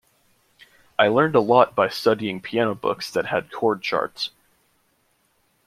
I learned a lot by studying piano books that had chord charts.